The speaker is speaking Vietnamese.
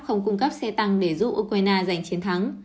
không cung cấp xe tăng để giúp ukraine giành chiến thắng